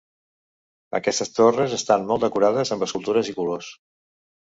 Aquestes torres estan molt decorades amb escultures i colors.